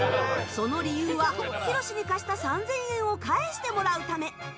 その理由は、ひろしに貸した３０００円を返してもらうため。